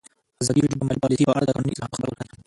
ازادي راډیو د مالي پالیسي په اړه د قانوني اصلاحاتو خبر ورکړی.